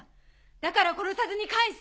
だから殺さずに返す！